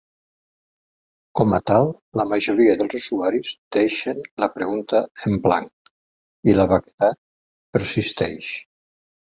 Com a tal, la majoria dels usuaris deixen la pregunta en blanc, i la vaguetat persisteix.